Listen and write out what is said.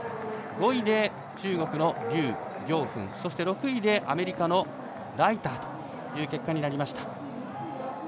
５位で、中国の劉暁彬６位でアメリカのライターという結果になりました。